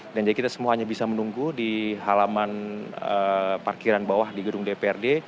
dan jadi kita semua hanya bisa menunggu di halaman parkiran bawah di gedung dprd